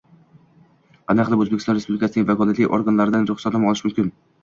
Qanday qilib O‘zbekiston Respublikasining vakolatli organlaridan ruxsatnoma olish mumkin?